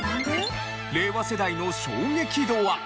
令和世代の衝撃度は？